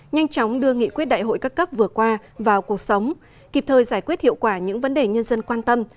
nhanh chóng đưa nghị quyết đại hội các cấp vừa qua vào cuộc sống kịp thời giải quyết hiệu quả những vấn đề nhân dân quan tâm